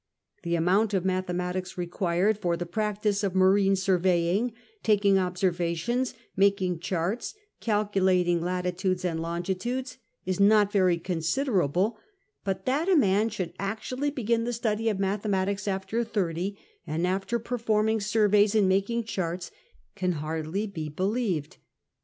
The amount of mathematics required for the practice of marine surveying, taking observations, making charts, calculating latitudes and longitudes, is 40 CAPTAIN COOK OHAF. not very considerable ; but that) ^ should actually begin the study of mathematics after thirty, and after performing surveys and making charts, can hardly be believed.